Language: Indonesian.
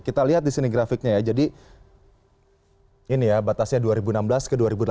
kita lihat di sini grafiknya ya jadi ini ya batasnya dua ribu enam belas ke dua ribu delapan belas